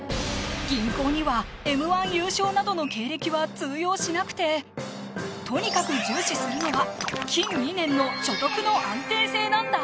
銀行にはＭー１優勝などの経歴は通用しなくてとにかく重視するのは近２年の所得の安定性なんだ